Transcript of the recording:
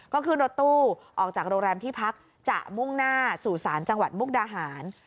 ก็ขึ้นรถตู้ออกจากโรงแรมที่พักจะมุ่งหน้าสู่ศาลจังหวัดมุกดาหาร